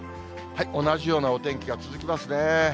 同じような天気が続きますね。